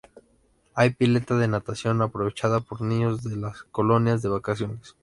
Hay pileta de natación, aprovechada por niños de las colonias de vacaciones.